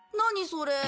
それ。